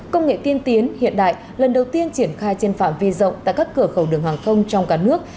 công nghệ tiên tiến hiện đại lần đầu tiên triển khai trên phạm vi rộng tại các cửa khẩu đường hàng không trong cả nước